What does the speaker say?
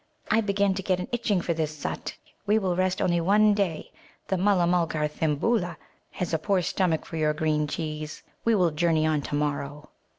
"I begin to get an itching for this Zut. We will rest only one day. The Mulla mulgar Thimbulla has a poor stomach for your green cheese. We will journey on to morrow."